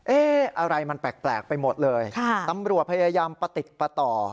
อะไรมันแปลกไปหมดเลยตำรวจพยายามประติดประต่อ